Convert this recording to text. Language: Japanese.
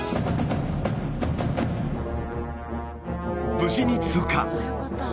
無事に通過。